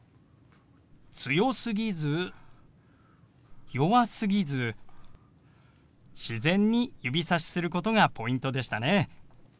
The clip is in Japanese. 強すぎず弱すぎず自然に指さしすることがポイントでしたね。